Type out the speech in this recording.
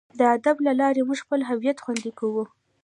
د ادب له لارې موږ خپل هویت خوندي کوو.